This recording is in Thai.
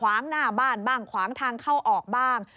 งหน้าบ้านบ้างขวางทางเข้าออกบ้าง